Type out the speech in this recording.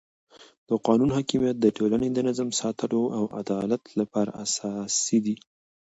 د قانون حاکمیت د ټولنې د نظم د ساتلو او عدالت لپاره اساسي دی